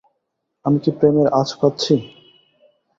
আমি কি প্রেমের আঁচ পাচ্ছি?